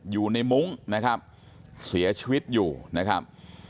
มุ้งนะครับเสียชีวิตอยู่นะครับ